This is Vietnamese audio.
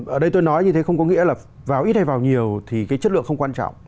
ở đây tôi nói như thế không có nghĩa là vào ít hay vào nhiều thì cái chất lượng không quan trọng